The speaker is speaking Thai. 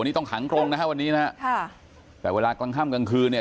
นี่ต้องขังกรงนะฮะวันนี้นะฮะค่ะแต่เวลากลางค่ำกลางคืนเนี่ย